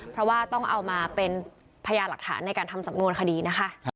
เพราะว่าต้องเอามาเป็นพยาหลักฐานในการทำสำนวนคดีนะคะ